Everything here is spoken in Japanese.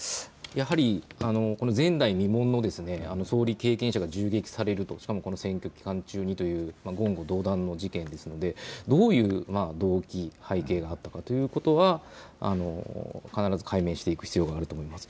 やはり前代未聞の総理経験者が銃撃される、しかもこの選挙期間中にという言語道断の事件ですのでどういう動機、背景があったかということは必ず解明していく必要があると思います。